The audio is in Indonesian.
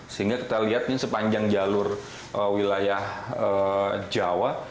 sehingga kita lihat nih sepanjang jalur wilayah jawa